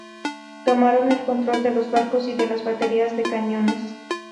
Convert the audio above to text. Tomaron el control de los barcos y de las baterías de cañones.